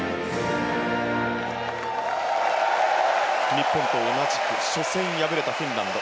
日本と同じく初戦敗れたフィンランド。